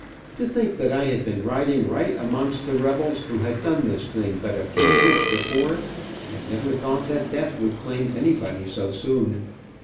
To think that I had been riding right amongst the rebels who had done this thing but a few minutes before, and never thought that death would claim anybody so soon.